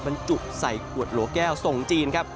มันจุบใส่กวดหลัวแก้วส่งจีนครับ